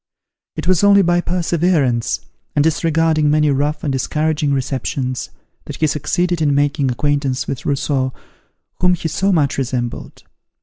It was only by perseverance, and disregarding many rough and discouraging receptions, that he succeeded in making acquaintance with Rousseau, whom he so much resembled.